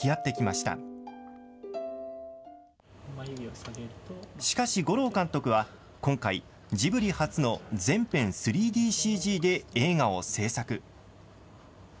しかし、吾朗監督は今回、ジブリ初の全編３ＤＣＧで映画を製作。